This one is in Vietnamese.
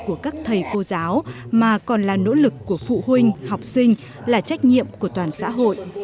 của các thầy cô giáo mà còn là nỗ lực của phụ huynh học sinh là trách nhiệm của toàn xã hội